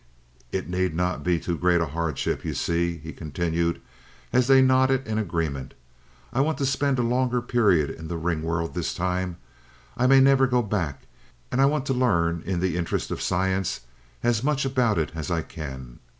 It need not be too great a hardship. You see," he continued, as they nodded in agreement, "I want to spend a longer period in the ring world this time. I may never go back, and I want to learn, in the interest of science, as much about it as I can.